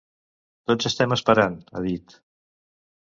Tots estem esperant, ha dit.